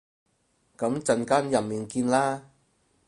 噉陣間入面見啦